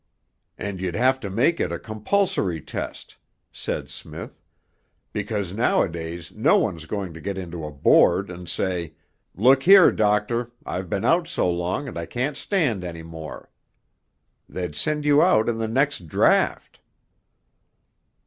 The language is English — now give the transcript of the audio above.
'And you'd have to make it a compulsory test,' said Smith, 'because nowadays no one's going to go into a Board and say, "Look here, doctor, I've been out so long and I can't stand any more." They'd send you out in the next draft!'